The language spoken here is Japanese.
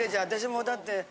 私もだって。